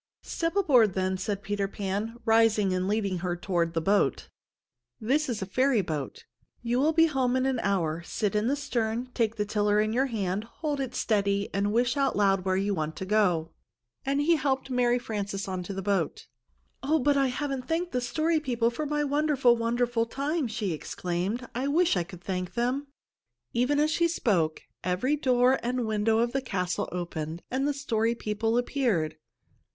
"Step aboard, then," said Peter Pan, rising and leading her toward the boat. "This is a fairy boat. You will be home in an hour. Sit in the stern. Take the tiller in your hand. Hold it steady, and wish out loud where you want to go." He helped Mary Frances into the boat. "Oh, but I haven't thanked the Story People for my wonderful, wonderful time!" she exclaimed. "I wish I could thank them!" Even as she spoke, every door and window of the castle opened and the Story People appeared.